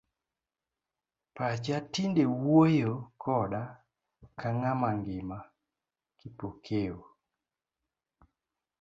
Pacha tinde wuoyo koda ka ng'ama ngima, Kipokeo.